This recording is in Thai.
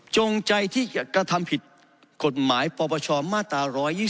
จงใจที่จะกระทำผิดกฎหมายปปชมาตรา๑๒๒